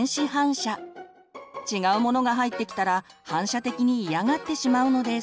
違うものが入ってきたら反射的に嫌がってしまうのです。